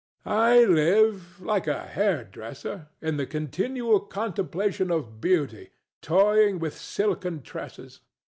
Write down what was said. I live, like a hairdresser, in the continual contemplation of beauty, toying with silken tresses.